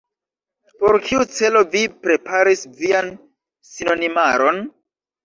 Por kiu celo vi preparis vian sinonimaron?